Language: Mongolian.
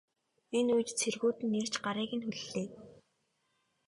Энэ үед цэргүүд нь ирж гарыг нь хүллээ.